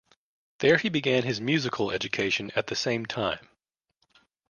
There he began his musical education at the same time.